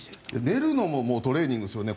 寝るのもトレーニングですよね。